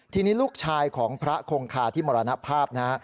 ทีนี้ลูกชายของพระคงคาที่มรณภาพนะฮะ